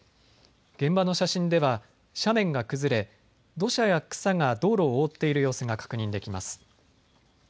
現場の写真では斜面が崩れ、土砂や草が道路を覆っている様子が確認できます。